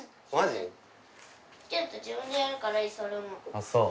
ああそう。